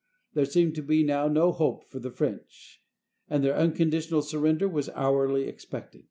There seemed to be now no hope for the French, and their unconditional surrender was hourly expected.